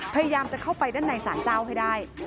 พยายามจะเข้าไปด้านในสารเจ้าให้ได้